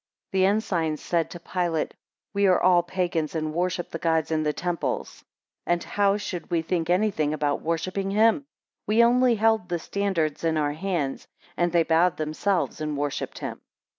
25 The ensigns said to Pilate, We are all Pagans and worship the gods in temples; and how should we think anything about worshipping him? We only held the standards in our hands, and they bowed themselves and worshipped him.